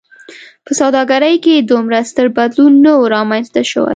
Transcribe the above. په سوداګرۍ کې دومره ستر بدلون نه و رامنځته شوی.